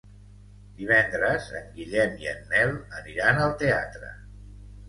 Divendres en Guillem i en Nel aniran al teatre.